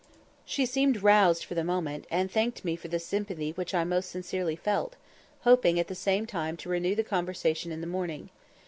She seemed roused for the moment, and thanked me for the sympathy which I most sincerely felt, hoping at the same time to renew the conversation in the morning.